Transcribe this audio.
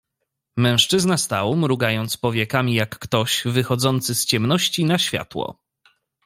"Mężczyzna stał, mrugając powiekami jak ktoś, wychodzący z ciemności na światło."